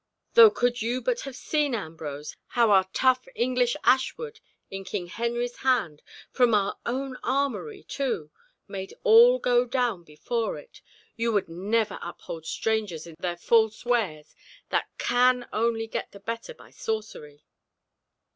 Though could you but have seen, Ambrose, how our tough English ashwood in King Harry's hand—from our own armoury too—made all go down before it, you would never uphold strangers and their false wares that can only get the better by sorcery."